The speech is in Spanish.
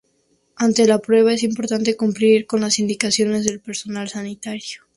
Ante la prueba, es importante cumplir con las indicaciones del personal sanitario.